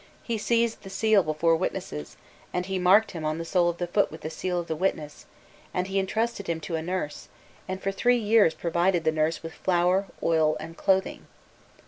He seized the seal before witnesses and he marked him on the sole of the foot with the seal of the witness, then he entrusted him to a nurse, and for three years he provided the nurse with flour, oil, and clothing."